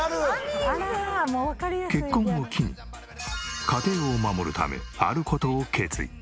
結婚を機に家庭を守るためある事を決意。